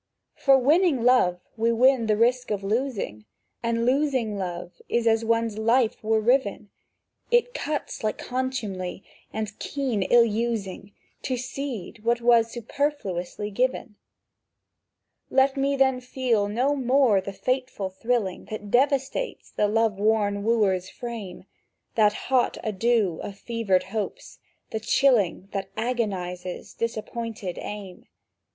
For winning love we win the risk of losing, And losing love is as one's life were riven; It cuts like contumely and keen ill using To cede what was superfluously given. Let me then feel no more the fateful thrilling That devastates the love worn wooer's frame, The hot ado of fevered hopes, the chilling That agonizes disappointed aim!